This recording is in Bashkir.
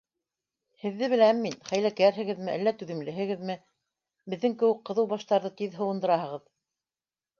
дарҙы беләм мин, хәйләкәрһегеҙме әллә түҙемлеһегеҙме, j беҙҙең кеүек ҡыҙыу баштарҙы тиҙ һыуындыраһығыҙ